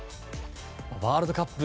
ワールドカップ